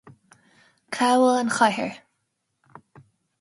Cá bhfuil an chathaoir